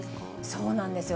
そうなんですよ。